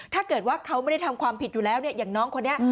ถ้าเกิดว่าเขาไม่ได้ทำความผิดอยู่แล้วเนี่ยอย่างน้องคนนี้